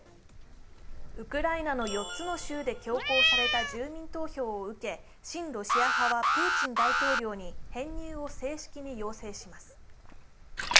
ウクライナの４つの州で強行された住民投票を受け親ロシア派はプーチン大統領に編入を正式に要請します。